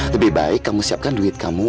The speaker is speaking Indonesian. lebih baik kamu siapkan duit kamu